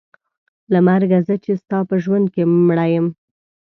له مرګه زه چې ستا په ژوند کې مړه یم.